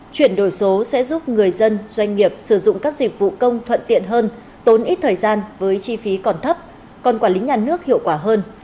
chuyển đổi số sẽ giúp người dân doanh nghiệp sử dụng các dịch vụ công thuận tiện hơn tốn ít thời gian với chi phí còn thấp còn quản lý nhà nước hiệu quả hơn